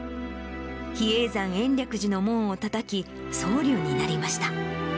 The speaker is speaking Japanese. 比叡山延暦寺の門をたたき、僧侶になりました。